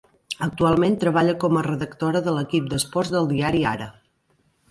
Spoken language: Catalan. Actualment treballa com a redactora de l'equip d'esports del diari Ara.